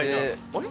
あれ？